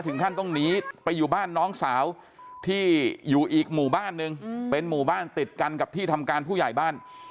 ถึงขั้นต้องหนีไปอยู่บ้านน้องสาวที่อยู่อีกหมู่บ้านนึงเป็นหมู่บ้านติดกันกับที่ทำการผู้ใหญ่บ้าน